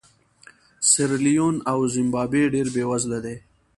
سیریلیون او زیمبابوې ډېر بېوزله دي.